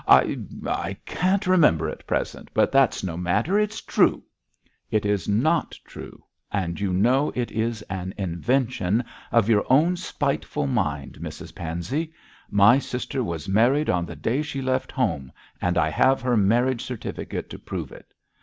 'I I can't remember at present, but that's no matter it's true.' 'It is not true, and you know it is an invention of your own spiteful mind, Mrs Pansey. My sister was married on the day she left home, and I have her marriage certificate to prove it.